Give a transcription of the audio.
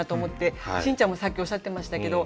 信ちゃんもさっきおっしゃってましたけど